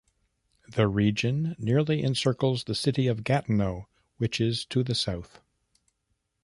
The region nearly encircles the City of Gatineau which is to the south.